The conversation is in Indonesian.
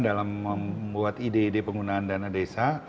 dalam membuat ide ide penggunaan dana desa